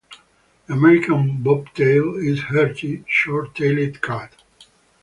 The American Bobtail is hearty, short-tailed cat.